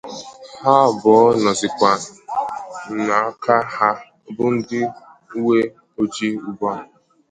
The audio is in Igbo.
Ha abụọ nọzịkwà n'aka ha bụ ndị uweojii ugbua